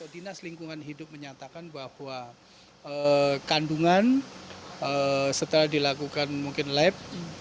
dinas lingkungan hidup menyatakan bahwa kandungan setelah dilakukan mungkin lab